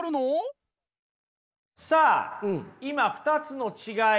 さあ今２つの違い